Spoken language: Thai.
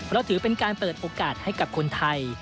เราถือเป็นการเปิดโอกาสให้กับคนไทย